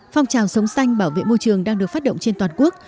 phong trào sống xanh bảo vệ môi trường đang được phát động trên toàn quốc